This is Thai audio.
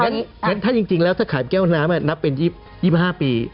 งั้นถ้าจริงแล้วถ้าขายแก้วน้ำนับเป็น๒๕ปี